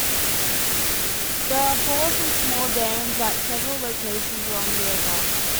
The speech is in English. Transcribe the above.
There are falls and small dams at several locations along the river.